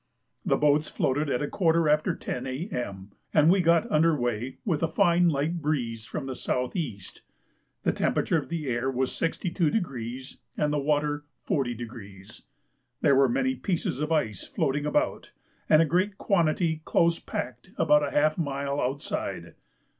The boats floated at a quarter after 10 A.M., and we got under weigh with a fine light breeze from the S.E. The temperature of the air was 62° and the water 40°. There were many pieces of ice floating about, and a great quantity close packed about half a mile outside.